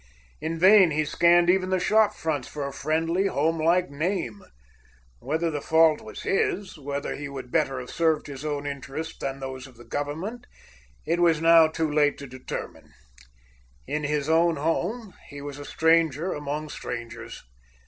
In vain he scanned even the shop fronts for a friendly, homelike name. Whether the fault was his, whether he would better have served his own interests than those of his government, it now was too late to determine. In his own home, he was a stranger among strangers.